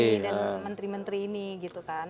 dan menteri menteri ini gitu kan